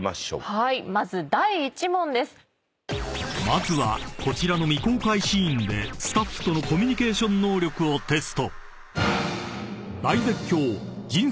［まずはこちらの未公開シーンでスタッフとのコミュニケーション能力をテスト］